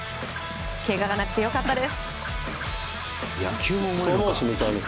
けががなくて良かったです。